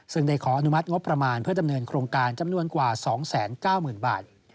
ซึ่งได้ขออนุมัติงบประมาณเพื่อดำเนินโครงการจำนวนกว่า๒๙๐๐๐บาท